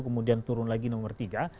kemudian turun lagi nomor tiga